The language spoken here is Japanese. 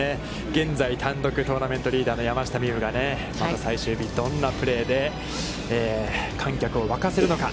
現在、単独トーナメントリーダーの山下美夢有がまた最終日、どんなプレーで観客を沸かせるのか、